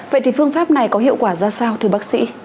vậy thì phương pháp này có hiệu quả ra sao thưa bác sĩ